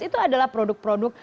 itu adalah produk produk